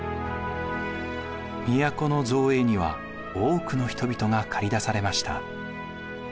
都の造営には多くの人々が駆り出されました。